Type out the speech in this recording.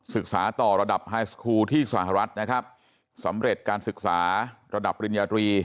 ศึกษาต่อระดับไฮสครูที่สหรัฐนะครับสำเร็จการศึกษาระดับปริญญาตรี